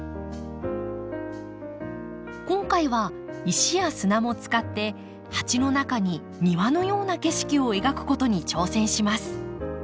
今回は石や砂も使って鉢の中に庭のような景色を描くことに挑戦します。